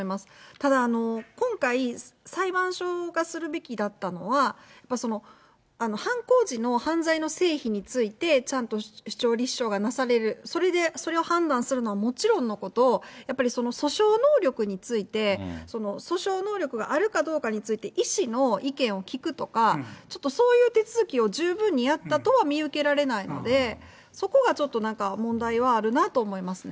ただ、今回、裁判所がするべきだったのは、やっぱその犯行時の犯罪の成否についてちゃんと主張、立証がなされる、それでそれを判断するのはもちろんのこと、やっぱり訴訟能力について、訴訟能力があるかどうかについて、医師の意見を聞くとか、ちょっとそういう手続きを十分にやったとは見受けられないので、そこがちょっと、なんか問題はあるなと思いますね。